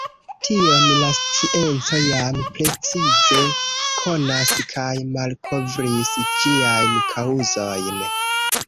Tion la scienco jam precize konas kaj malkovris ĝiajn kaŭzojn.